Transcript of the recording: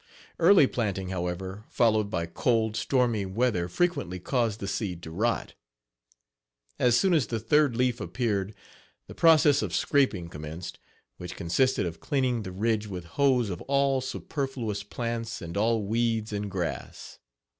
Early planting, however, followed by cold, stormy weather frequently caused the seed to rot. As soon as the third leaf appeared the process of scraping commenced, which consisted of cleaning the ridge with hoes of all superflous plants and all weeds and grass.